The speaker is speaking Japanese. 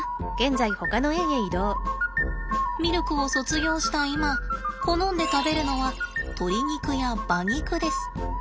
ミルクを卒業した今好んで食べるのは鶏肉や馬肉です。